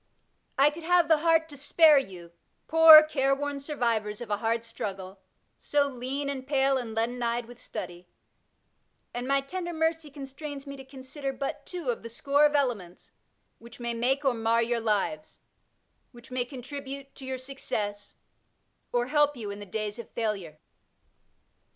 I could have the heart to spare you, poor, careworn survivors of a hard struggle, so " lean and pale and leaden eye '' with study ;" and my tender mercy constrains me to consider but two of the score of elements which may make or mar your lives — ^which may contribute to your success, or help ycm in the days of hilure.